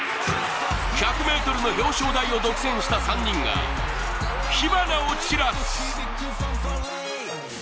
１００ｍの表彰台を独占した３人が火花を散らす。